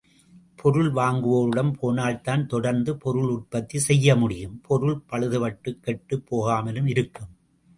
பொருள் வாங்குவோரிடம் போனால்தான் தொடர்ந்து பொருள் உற்பத்தி செய்யமுடியும், பொருள் பழுதுபட்டுக் கெட்டுப் போகாமலும் இருக்கும்.